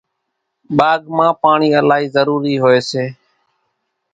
ٻاگھ مان پاڻِي الائِي ضرورِي هوئيَ سي۔